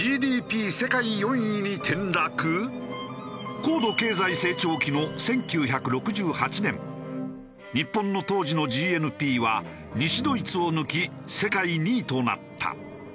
高度経済成長期の１９６８年日本の当時のＧＮＰは西ドイツを抜き世界２位となった。